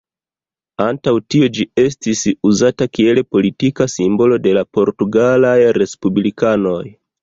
Antaŭ tio ĝi estis uzata kiel politika simbolo de la portugalaj respublikanoj.